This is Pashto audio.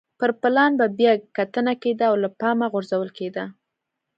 پر پلان به بیا کتنه کېده او له پامه غورځول کېده.